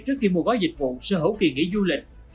trước khi mua gói dịch vụ sở hữu kỳ nghỉ du lịch